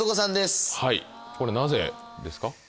これなぜですか？